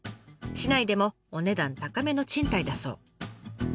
市内でもお値段高めの賃貸だそう。